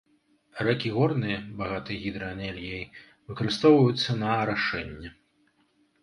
Рэкі горныя, багатыя гідраэнергіяй, выкарыстоўваюцца на арашэнне.